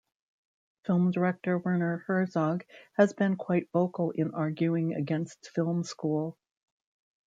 Film director Werner Herzog has been quite vocal in arguing against film school.